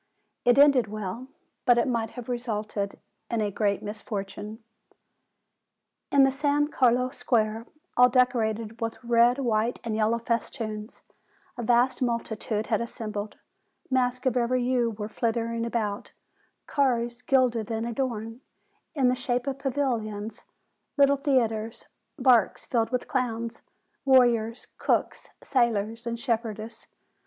It ended well; but it might have resulted in a great misfortune. In the San Carlo Square, all decorated with red, white, and yellow festoons, a vast multitude had as sembled; masks of every hue were flitting about; cars, gilded and adorned, in the shape of pavilions; little theatres, barks filled with clowns, warriors, cooks, sailors, and shepherdesses.